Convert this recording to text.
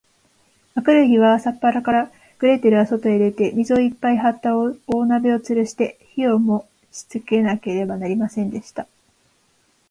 あくる日は、朝っぱらから、グレーテルはそとへ出て、水をいっぱいはった大鍋をつるして、火をもしつけなければなりませんでした。